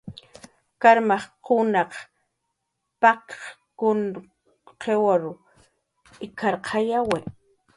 "Karmajkunaq paq""kun qiwar ik""arqayawi"